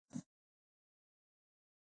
د هایپوکسیا د اکسیجن کموالی دی.